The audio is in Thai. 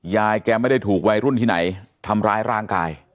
ยายแกไม่ได้ถูกวัยรุ่นที่ไหนทำร้ายร่างกาย